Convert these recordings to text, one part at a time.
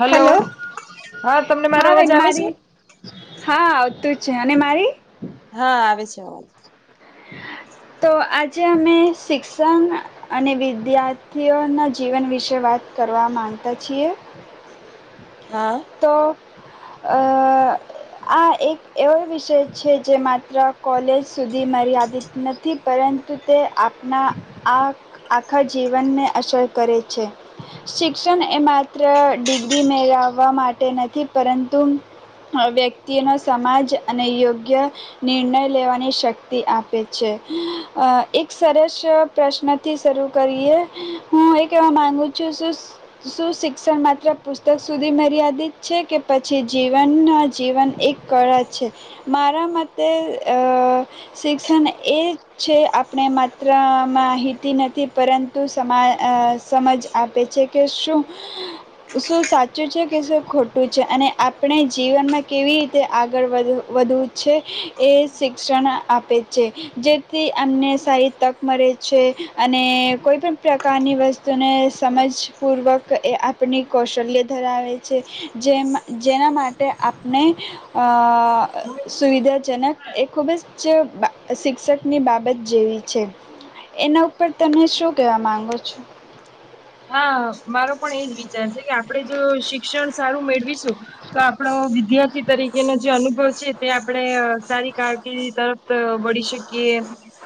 Hello hello હા તમને મારો હા અવાજ બેન આવે છે. મારી હા આવતું જ છે અને મારી. હા આવે છે. તો આજે અમે શિક્ષણ અને વિદ્યાર્થીઓના જીવન વિશે વાત કરવા માંગતા છીએ. હા. તો. અ આ એક એવો વિષય છે જે માત્ર કોલેજ સુધી મર્યાદિત નથી પરંતુ તે આપણા આ આખા જીવનને અસર કરે છે, શિક્ષણ એ માત્ર ડિગ્રી મેળ. માટે નથી પરંતુ વ્યક્તિ ન સમાજ અને યોગ્ય નિર્ણય લેવાની શક્તિ આપે છે. એક સરસ પ્રશ્નથી શરૂ કરીએ હું એ કવા માંગુ છું શ શું શિક્ષણ માત્ર પુસ્તક સુધી મર્યાદિત છે કે પછી જીવન જીવન એક કળા છે, મારા મતે શિક્ષણ એ છે આપણે માત્ર માહિતી નથી પરંતુ સમા સમજ આપે છે કે શું શું સા. સાચું છે કે શું ખોટું છે અને આપણે જીવનમાં કેવી રીતે આગળ વધ વધવું છે એ શિક્ષણ આપે છે, જેથી અમને સારી તક મળે છે અને કોઈ પણણ પ્રકારની વસ્તુ તુને સમજપૂર્વક. એ આપની કૌશલ્ય. ધરાવે છે જેમ જેના માટે આપણે અ સુવિધાજનક. એ ખૂબ જ શિક્ષકની બાબત જેવી છે એના ઉપર તમે શું કહેવા માંગો છો. હા મારો પણ એજ વિચાર છે કે આપણેે જો શિક્ષણ સારું મેળવીશું તો આપણો વિદ્યાર્થી તરીકેનો જે અનુભવ છે તે આપણે સારી કારકિર્દી તરફ વળી શકીએ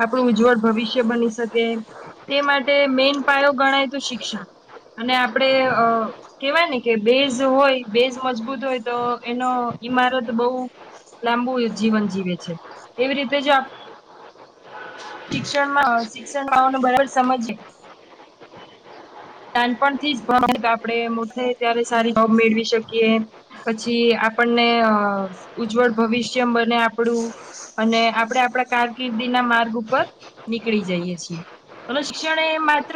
આપણું ઉજ્જવળ ભવિષ્ય બની શકે તે માટે મેન પાયો ગણાય તો શિ ક્ષણ અને આપડે અ કેવાય ને. કે બેઝ હોય બેઝ. મજબૂત હોય તો એનો ઈમારત બહ લાંબુ જીવન જીવે છે એવી રીતે જો શિક્ષણમાં શિક્ષણમાંનું બરાબર સમજે. નાનપણ થી જ આપણે મો ત્યારે સારી જોબ મેળવી શકીએ, પછી આપણને ઉજ્જવળ ભવિષ્ય બને આપણું અને આપણે આપડા કારકિર્દી ના માર્ગ ઉપર નીકળી જઈએ છીએ અને શિક્ષણ એ માત્ર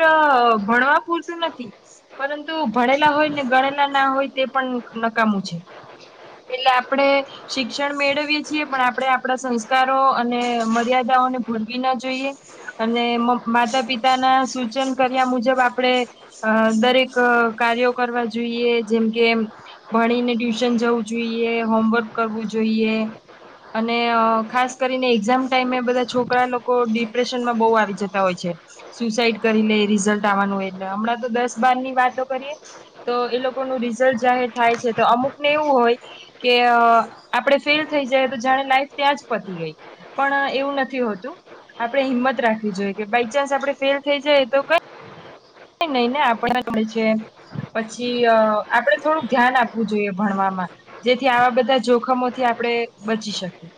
ભણવા પૂરતું નથી પરંતુ ભણેલા હોય ને ગણેલા ના હોય તે પણ નકામું છે. એટલે આપડણે શિક્ષણ મેળવીએ છીએ પણ આપણેે આપણા સંસ્કારો અને મર્યાદાઓને ભૂલવી ના જોઈએ, અને માતા પિતાના સૂચન કર્યા મુજબ આપણે દરેક કાર્યો કરવા જોઈએ, જેમ કે ભણીને ટ્યુશન જવું. જોઈએ, હોમવર્ક કરવું જોઈએ અને ખાસ કરીને એક્ઝામ ટાઈમે બધા છોકરા લોકો ડિપ્રેશનમાં બહુ આવી જતા હોય છે, સુસાઈડ કરી લે રિઝલ્ટ આવવાનું હોય એટલે હમણાં તો દસ બાર ની વાતો કરીએ તો એ લોકો ન રિઝલ્ટ જાહેર થાય છે તો અમુક ને એવું હોય. કે આપણેે ફેલ થઈ જાય તો જાણે લાઈફ ત્યાં જ પતી ગઈ પણ એવું નથી હોતું, આપણે હિંમત રાખવી જોઈએ કે બાય ચાન્સ આપણે ફેલ થઈ જાય તો કઈ નહી ને આપ મળ પછી આપડે થોડું ધ્યાન આપવું જોઈએ ભણવામાં. જેથી આવા બધા જોખમોથી આપણે બચી શકીએ.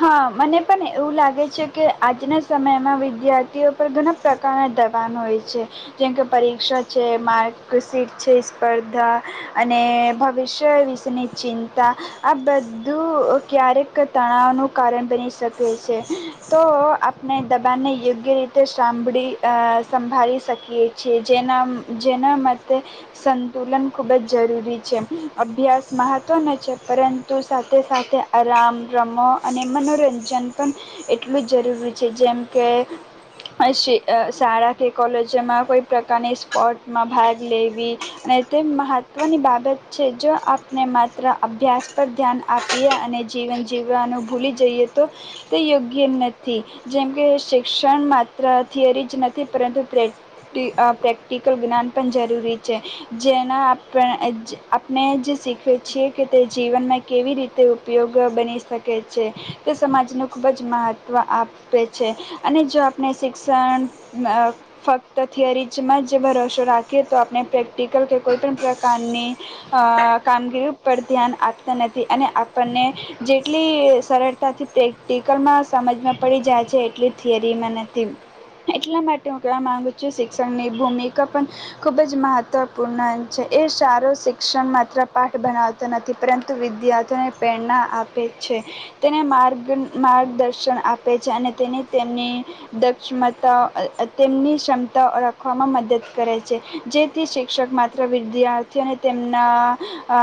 હા મને પણ એવું લાગે છે કે આજના સમયમાં વિદ્યાર્થીઓ પર ઘણા પ્રકારના દબાણ હોય છે, જેમ કે પરીક્ષા છે, માર્કશીટ છે, સ્પર્ધા અને ભવિષ્ય વિશેની ચિંતા આ બધું ક્યારેક તણાવનું કારણ બની શકે છે તો આપણે દબાણને યોગ્ય રીતે સાંભળી સંભાળી શકીએ છીએ જેના જેના માટે સંતુલન ખૂબ જ જરૂરી છે. અભ્યાસ મહત્ત્વનો છે પરંતુ સાથે સાથે આરામ રમો અને મનોરંજન પણ એટલું જ જરૂરી છે જેમ કે શ શાળા કે કોલેજોમાં કોઈ પ્રકારની સ્પોર્ટમાં ભાગ લેવી અને તે મહત્ત્વની બાબત છે, જો આપણે માત્ર અભ્યાસ પર ધ્યાન આપીએ અને જીવન જીવવાનું. ભૂલી જઈએ તો તે યોગ્ય નથી જેમકે શિક્ષણ માત્ર થિયરી જ નથી પરંતુ પ્રેક્ટ પ્રેક્ટિકલ જ્ઞાન પણ જરૂરી છે જેના આપણે આપણે જ શીખીએ છીએ કે તે જીવનમાં કેવી રીતે ઉપયોગ બની શકે. છે તે સમાજનું ખૂબ જ મહત્ત્વ આપે છે અને જો આપણે શિક્ષણ ફક્ત થિયરીમાં જે ભરોસો રાખીએ તો આપણે પ્રેક્ટિકલ કે કોઈપણ પ્રકારની કામગીરી ઉપર ધ્યાન આપતા નથી અને આપણને જેટલી સરળતાથી પ્રેક્ટિકલમાં સમજમાં પડી જાય છે એટલી થિયરીમાં નથી, એટલા માટે હું કહેવા માગુ છું શિક્ષણની ભૂમિકા પણ ખૂબ જ મહત્ત્વપૂર્ણ છે એ સારો શિક્ષણ માત્ર પાઠ બનાવતો નથી પરંતુ વિદ્યાર્થીઓને પ્રેરણા આપે છે. તેને માર્ગ માર્ગદર્શન આપે છે અને તેને તેમની દક્ષમતા તેમની ક્ષમતા ઓળખવામાં મદદ કરે છે, જેથી શિક્ષક માત્ર વિદ્યાર્થીઓને તેમના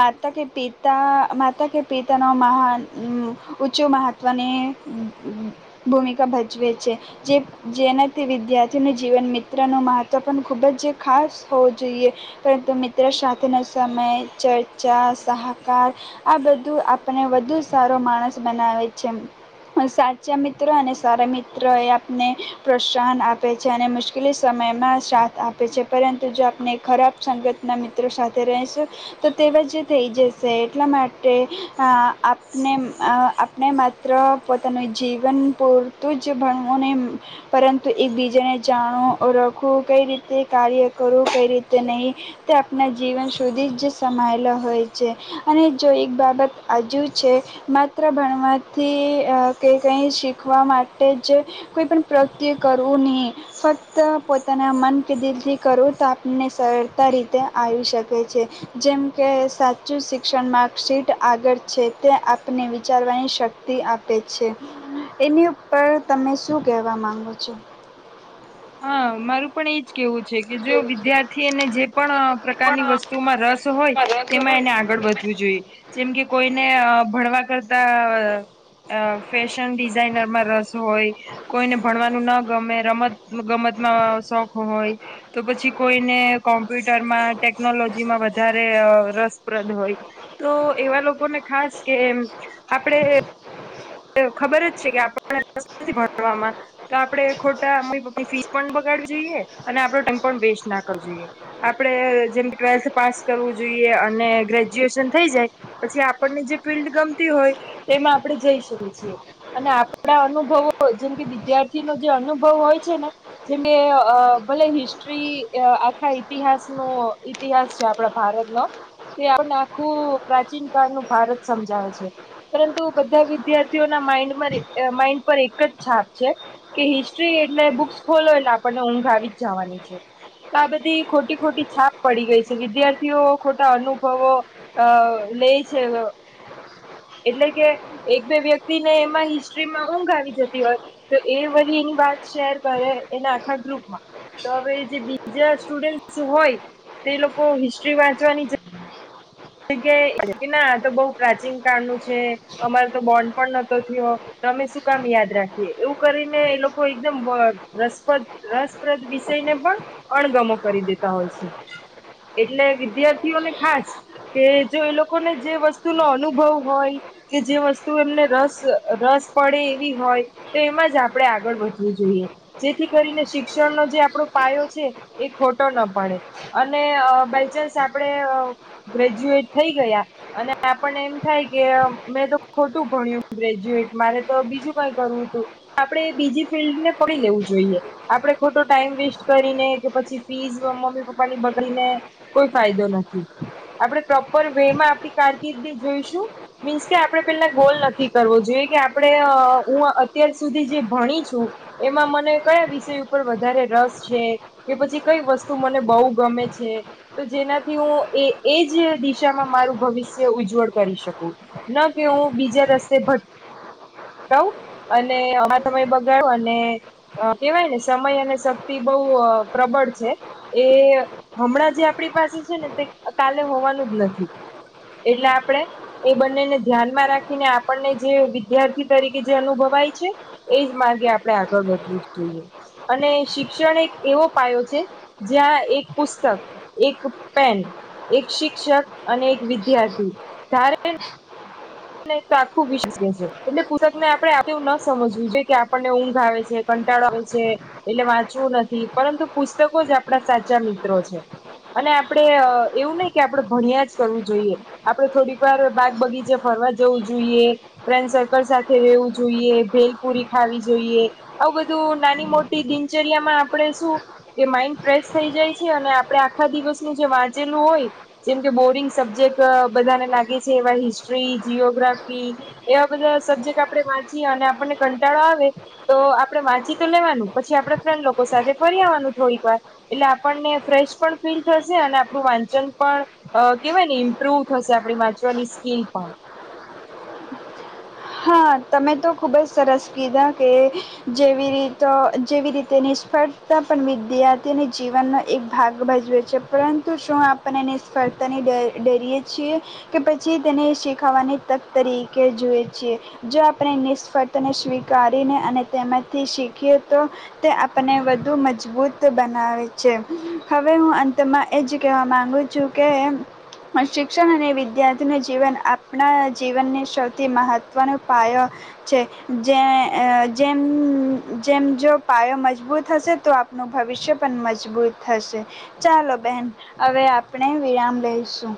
માતા કે પિતા માતા કે પિતાનો મહાન ઊંચું મહત્ત્વની ભૂમિકા ભજવે છે જે જેનાથી વિદ્યાર્થીઓનું જીવન મિત્રનું મહત્ત્વ પણ ખૂબ જ ખાસ હોવું જોઈએ પરંતુ મિત્ર સાથેનો સમય ચર્ચા સહકાર આ બધું આપણને વધુ જ. સારો માણસ બનાવે છે સાચા મિત્રો અને સારા મિત્ર એ આપને પ્રોત્સાહન આપે છે અને મુશ્કેલી. સમયમાં સાથ આપે છે. પરંતુ જો આપણે ખરાબ સંગતના મિત્રો સાથે રહેશું તો તેજ થઈ જશે એટલા માટે આપ. ને આપણે માત્ર પોતાનું જીવન પૂરતું જ ભણવું નહીં પરંતુ એકબીજાને જાણું ઓળખવું કઈ રીતે કાર્ય કરવું કઈ રીતે નહીં તે આપણાં જીવન સુધી જ સમાયેલા હોય છે અને જો એક બાબત આજુ જ. છે માત્ર ભણવાથી કે કંઈ શીખવા માટે જ કોઈપણ પ્રગતિ કરવું નહીં ફક્ત પોતાના મન કે દિલથી કરવું તો આપણને સરળતા રીતે આવી શકે છે જેમ કે સાચું શિક્ષણ માર્કશીટ આગળ છે. તે આપને વિચારવાની શક્તિ આપે છે એની ઉપર તમે શું કહેવા માંગો છો. હા મારું પણ એજ. કેવું છે કે જો વિદ્યાર્થી એને જે પણ પ્રકારની વસ્તુમાં રસ હોય તેમાં એને આગળ વધવું જોઈએ જેમ કે કોઈને ભણવા કરતા ફેશન ડિઝાઇનરમાં રસ હોય. કોઈને ભણવાનું ના ગમે રમત. ગમતમાં શોખ હોય તો પછી કોઈને કોમ્પ્યુટરમાં ટેકનોલોજીમાં વધારે રસપ્રદ હોય તો એવા લોકોને ખાસ કે આપણે. ખબર જ છે કે આપ ભણવામાં તો આપડણે ખોટા મી પપ્પની ફીસ પણ બગાડવી જોઈએ અને આપડો ટાઈમ પણ વેસ્ટ ના કરવો જોઈએ આપડે જેમ ટ્વેલ્થ પાસ કરવું જોઈએ અને ગ્રેજ્યુએશન થઈ જાય પછી આપણને જે ફિલ્ડ ગમતી હોય તેમાં આપડે જઈ શકીએ. અને આપણા અનુભવો જેમ કે વિદ્યાર્થી નો જે અનુભવ હોય છે ને જેમ કે ભલે હિસ્ટ્રી આખા ઈતિહાસ નો ઈતિહાસ છે આપણા ભારતનોો તે આપને આખું પ્રાચીન કળનું ભારત સમજાવે છે પરંતુ બધા. વિદ્યાર્થીઓના માઈન્ડ માઈન્ડ પર એક જ છાપ છે કે હિસ્ટ્રી એટલે બુક્સ ખોલો એટલે આપણને ઊંઘ આવી જ જવાની છે તો આ બધી ખોટી ખોટી છાપ પડી ગઈ છે વિદ્યાર્થીઓ ખોટા અનુભવો લે છે એટલે કે. એક બે વ્યક્તિને એમાં હિસ્ટ્રીમાં ઊંઘ આવી જતી હોય તો એ વ એની વાત શેર કરે એના આખા ગ્રુપમાં તો હવે જે બીજા સ્ટુડ હોય તે લોકો હિસ્ટ્રી વાંચવાની જ. કે ના તો બહ પ્રાચીન કાળનું છે અમારે તો બોન્ડ પણ નહતો થયો અમે શું કામ યાદ રાખીએ એવું કરીને એ લોકો એકદમ રસપ્રદ રસપ્રદ વિષયને પણ અણગમો કરી દેતા હોય છે એટલે વિદ્યાર્થીઓને ખાસ. તે જો એ લોકોને જે વસ્તુનો અનુભવ હોય, કે જે વસ્તુ એમને રસ રસ પડે એવી હોય, તો એમાં જ આપણે આગળ વધવું જોઈએ, જેથી કરીને શિક્ષણનો જે આપણો પાયો છે, એ ખોટો ન પડે અને આ બાયચાન્સ આપણે ગ્રેજ્યુએટ થઈ ગયા અને આપણને એમ થાય કે મેં તો ખોટું ભણ્યું ગ્રેજ્યુએટ મારે તો બીજું કઈ કરવું હતું આપણે બીજી ફિલ્ડને પડી લેવું જોઈએ આપણે ખોટો ટાઈમ વેસ્ટ કરીને કે પછી ફીસ મમ્મી પપ્પા ની બગડીને કોઈ ફાયદો નથી. આપણે પ્રોપર વે માં આપણી કારકિર્દી જોઈશું મીન્સ કે આપણે પેલા ગોલ નક્કી કરવો જોઈએ, કે આપણે હું અત્યાર સુધી જે ભણી છું, એમાં મને કયા વિષય ઉપર વધારે રસ છે, કે પછી કઈ વસ્તુ મને બહુ ગમે છે, તો જેનાથી હું એ એ જ દિશામાં મારું ભવિષ્ય ઉજ્જવળ કરી શકું ન કે હું બીજા રસ્તે ભટકાઉ અને અમારા સમય બગાાવું અને કેહેવાય ને સમય અને શક્તિ બહુ પ્રબળ છે, એ હમણાં જે આપણી પાસે છે, ને તે કાલે હોવાનું જ નથી, એટલે આપણે એ બંનેને ધ્યાનમાં રાખીને આપણને જે વિદ્યાર્થી તરીકે જે અનુભવાય છે, એ જ માર્ગે આપણે આગળ વધવું જ જોઈએ, અને શિક્ષણ એક એવો પાયો છે, જ્યાં એક પુસ્તક એક પેન એક શિક્ષક અને એક વિદ્યાર્થી ધારે ને તો આખું છે, એટલે પુસ્તકને આપણે આવું ન સમજવું જોઈએ કે આપણને ઊંઘ આવે છે, કંટાળો આવે છે, એટલે વાંચવું નથી પરંતુ પુસ્તકો જ આપડા સાચા મિત્રો છે, અને આપણે એવું નહીં કે આપડે ભણ્યા જ કરવું જોઈએ. આપડે થોડીક વાર બાગ બગીચે ફરવા જવું જોઈએ, ફ્રેન્ડ સર્કલ સાથે રહેવું જોઈએ, ભેલપુરી ખાવી જોઈએ, આવું બધું નાની મોટી દિનચર્યામાં આપણે શું કે માઈન્ડ ફ્રેશ થઈ જાય છે, અને આપડે આખા દિવસનું જે વાંચેલું હોય, જેમ કે બોરિંગ સબ્જેક્ટ બધાને લાગે છે, એવા હિ સ્ટ્રી જીઓગ્રાફી એવા બધા સબ્જેક્ટ આપણે વાંચીએ અને આપણને કંટાળો આવે, તો આપણે વાંચી તો લેવાનું પછી આપણે ફ્રેન્ડ લોકો સાથે ફરી આવવાનું થોડીક વાર, એટલે આપણને ફ્રેશ પણ ફીલ થશે અને આપણું વાંચન પણ અ કેહેવાય, ને ઇમ્પ્રુવ થશે આપણી વાંચવાની સ્કીલ હા. હા, તમે તો ખૂબજ સરસ કીધા કે જેવી રીતો જેવી રીતે નિષ્ફળતા પણ વિદ્યાર્થીઓને જીવનનો એક ભાગ ભજવે છે, પરંતુ શું આપણને નિષ્ફળતાની ડ ડરીએ છીએ, કે પછી તેને શીખવવાની તક તરીકે જુએ છીએ, જો આપણે નિષ્ફળતાને સ્વીકારીને અને તેમાંથી શીખીએ તો તે આપને વધુ મજબૂત બનાવે છે, હવે હું અંતમાં એજ કહેવા માંગુ છું, કે શિક્ષણ અને વિદ્યાર્થીનું જીવન આપણા જીવનને સૌથી મહત્વ મહત્વનો પાયો છે, જે જેમ જેમ જો પાયો મજબૂત હશે, તો આપનું ભવિષ્ય પણ મજબૂત થશે, ચાલો બેહેન હવે આપણે વિરામ લઈશું.